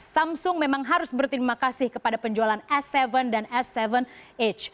samsung memang harus berterima kasih kepada penjualan s tujuh dan s tujuh h